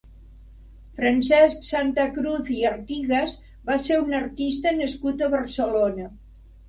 Francesc Santacruz i Artigues va ser un artista nascut a Barcelona.